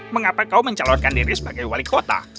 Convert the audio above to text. mengapa kau mencalonkan diri sebagai wali kota